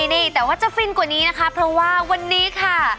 นี่แต่ว่าจะฟินกว่านี้นะคะเพราะว่าวันนี้ค่ะ